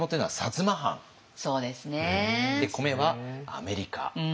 で「米」はアメリカ。